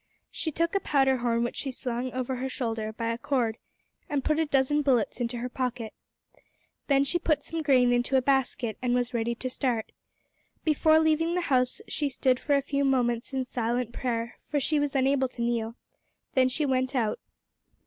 She took a powder horn which she slung over her shoulder by a cord, and put a dozen bullets into her pocket. Then she put some grain into a basket, and was ready to start. Before leaving the house she stood for a few minutes in silent prayer, for she was unable to kneel; then she went out.